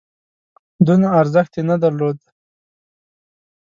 دونه ارزښت یې نه درلود.